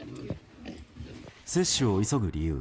接種を急ぐ理由。